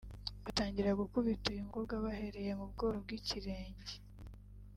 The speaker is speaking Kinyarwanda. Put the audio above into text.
batangira gukubita uyu mukobwa bahereye mu bworo bw’ikirenge